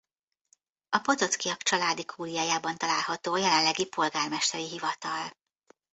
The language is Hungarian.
A Potoczky-ak családi kúriájában található a jelenlegi Polgármesteri Hivatal.